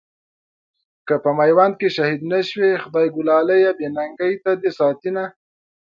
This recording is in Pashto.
که په ميوند کې شهيد نه شوې، خدایږو لاليه بې ننګۍ ته دې ساتينه